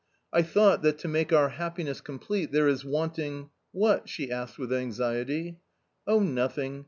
" I thought that to make our happiness complete there is wanting "" What?" she asked with anxiety. "Oh, nothing!